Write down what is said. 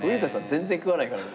全然食わないから。